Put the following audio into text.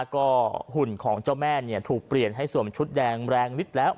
ก็หุ่นของเจ้าแม่ถูกเปลี่ยนให้สวมชุดแดงแรงมิดแล้ว